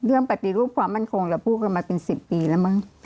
ปฏิรูปความมั่นคงเราพูดกันมาเป็น๑๐ปีแล้วมั้ง